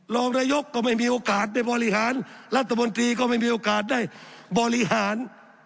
รองนายกก็ไม่มีโอกาสได้บริหารรัฐบนตรีก็ไม่มีโอกาสได้บริหาร